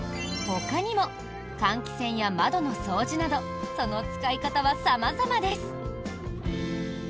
ほかにも換気扇や窓の掃除などその使い方は様々です。